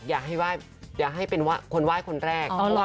อยากให้เป็นคนว่ายคนแรก